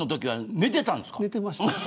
寝てました。